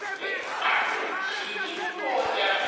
あら筋向こうじゃないか。